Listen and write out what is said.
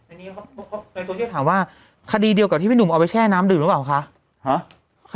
อันนี้เขาเขาในโทรเชียร์ถามว่าคดีเดียวกับที่พี่หนุ่มเอาไปแช่น้ำดื่มหรือเปล่าคะฮะ